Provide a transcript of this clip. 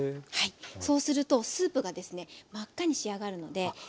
そうするとスープがですね真っ赤に仕上がるのでぜひぜひはい。